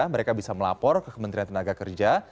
mereka bisa melapor ke kementerian tenaga kerja